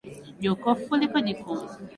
Jokofu liko jikoni